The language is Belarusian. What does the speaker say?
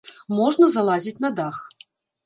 Можна залазіць на дах.